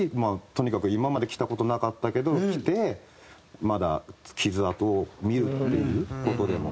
とにかく今まで来た事なかったけど来てまだ傷痕を見るっていう事でも。